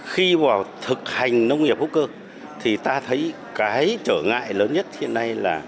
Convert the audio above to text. khi vào thực hành nông nghiệp hữu cơ thì ta thấy cái trở ngại lớn nhất hiện nay là